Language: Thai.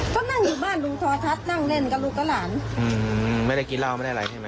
ก็นั่งอยู่บ้านลูกทอทัศน์นั่งเล่นกับลูกก็หลานอืออออออออไม่ได้กินเผาไม่ได้อะไรใช่มะ